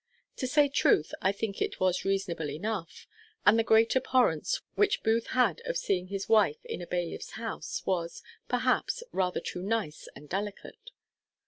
To say truth, I think it was reasonable enough; and the great abhorrence which Booth had of seeing his wife in a bailiff's house was, perhaps, rather too nice and delicate.